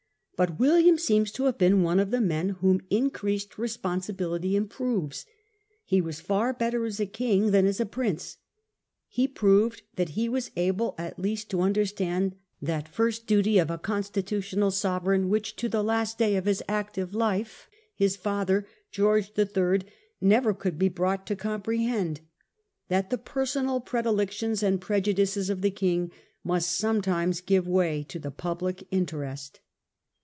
But William seems to have been one of the men whom increased responsibility improves. He was far better as a king than as a prince. He proved that he was able at 4 A HISTORY OF OUR OWN TIMES. oh. i. least to understand that first duty of a constitutional sovereign which., to the last day of his active life, his father, George III., never could he brought to com prehend — that the personal predilections and preju dices of the Xing must sometimes give way to the public interest.